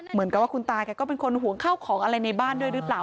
เหมือนกับว่าคุณตาแกก็เป็นคนห่วงข้าวของอะไรในบ้านด้วยหรือเปล่า